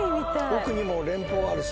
奥にも連峰あるし。